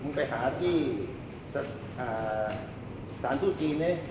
มึงไปหาที่สถานทุกข์จีนเนี่ย